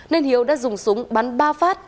nên hiếu đã dùng súng bắn ba phát